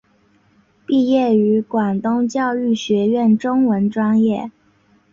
毕业于广东教育学院中文专业。